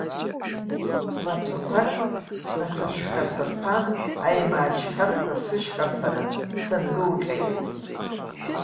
Маҭәақәак насышәхасырԥан, аимаа чхьарԥқәа сышьхарԥаны, сындәылҟьеит.